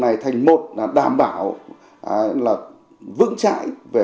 này thành một là đảm bảo là vững chạy về